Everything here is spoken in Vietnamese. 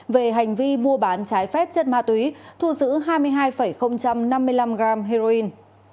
về hành vi mua bán trái phép chất ma túy thu giữ hai mươi hai năm mươi năm g heroin